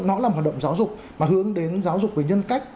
nó là một hoạt động giáo dục mà hướng đến giáo dục về nhân cách